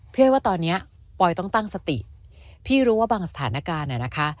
เฮ้ยว่าตอนนี้ปอยต้องตั้งสติพี่รู้ว่าบางสถานการณ์น่ะนะคะ